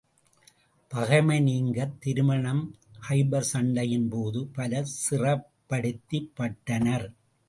பகைமை நீங்கத் திருமணம் கைபர் சண்டையின் போது, பலர் சிறைப்படுத்தப் பட்டனர்.